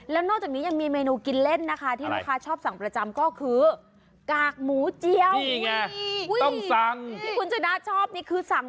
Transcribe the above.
แล้วนอกจากนี้ยังมีเมนูกินเล่นนะคะที่พี่คะชอบสั่งประจำก็คือ